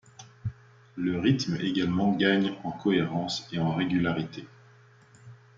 Le rythme également gagne en cohérence et en régularité.